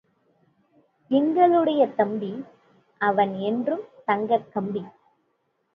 எங்களுடைய தம்பி—அவன் என்றும் தங்கக் கம்பி.